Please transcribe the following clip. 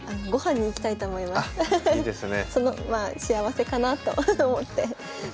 まあ幸せかなと思って。